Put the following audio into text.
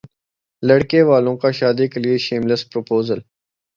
لڑکے والوں کا شادی کے لیےشیم لیس پرپوزل